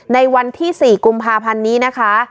ในวันที่๔กุมภาพันธ์นี้นะคะ